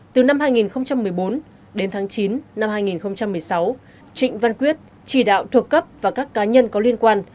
từ năm hai nghìn một mươi bốn đến tháng chín năm hai nghìn một mươi sáu trịnh văn quyết chỉ đạo thuộc cấp và các cá nhân có liên quan